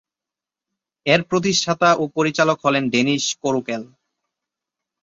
এর প্রতিষ্ঠাতা ও পরিচালক হলেন ড্যানিশ করোকেল।